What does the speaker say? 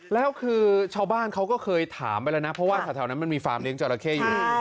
แล้วคือชาวบ้านเขาก็เคยถามไปแล้วนะเพราะว่าแถวนั้นมันมีฟาร์มเลี้ยจราเข้อยู่